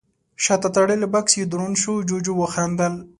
شاته تړلی بکس يې دروند شو، جُوجُو وخندل: